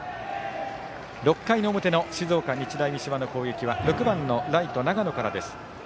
６回の表の静岡・日大三島の攻撃は６番のライト、永野からです。